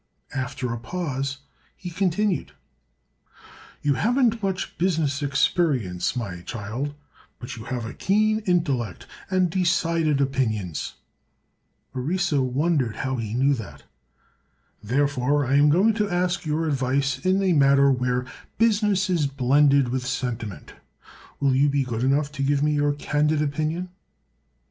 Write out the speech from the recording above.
After a pause he continued: "You haven't much business experience, my child, but you have a keen intellect and decided opinions." Orissa wondered how he knew that. "Therefore I am going to ask your advice in a matter where business is blended with sentiment. Will you be good enough to give me your candid opinion?"